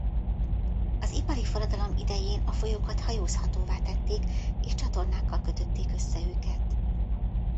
Az ipari forradalom idején a folyókat hajózhatóvá tették és csatornákkal kötötték össze őket.